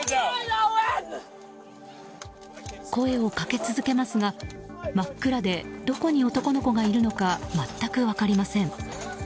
声をかけ続けますが、真っ暗でどこに男の子がいるのか全く分かりません。